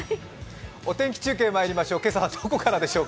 お天気中継、参りましょう。